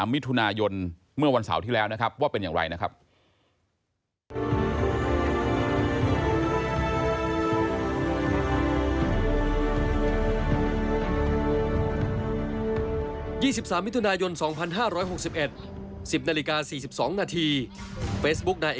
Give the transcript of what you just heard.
มิถุนายนเมื่อวันเสาร์ที่แล้วนะครับว่าเป็นอย่างไรนะครับ